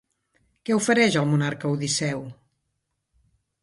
Què ofereix el monarca a Odisseu?